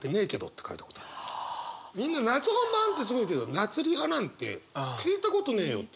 みんな「夏本番」ってすごい言うけど「夏リハ」なんて聞いたことねえよっていつも思ってた。